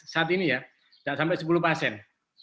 saat ini ya sampai sepuluh persen